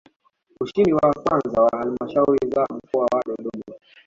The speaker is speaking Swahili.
Ushindi wa kwanza kwa Halmashauri za Mkoa wa Dodoma